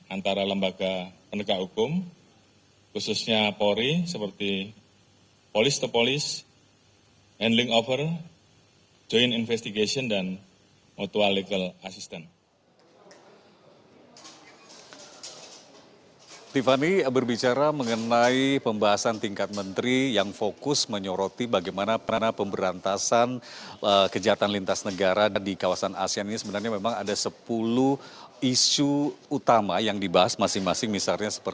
antara lembaga penegak hukum khususnya polri seperti polis polis handling over joint investigation dan mutual legal assistance